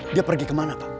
dia pergi kemana pak